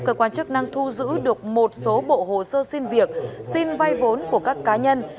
cơ quan chức năng thu giữ được một số bộ hồ sơ xin việc xin vay vốn của các cá nhân